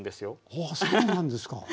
ああそうなんですか。